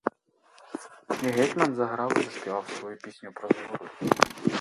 І гетьман заграв та й заспівав свою пісню про згоду.